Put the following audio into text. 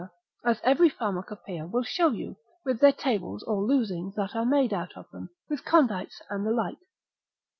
as every pharmacopoeia will show you, with their tables or losings that are made out of them: with condites and the like.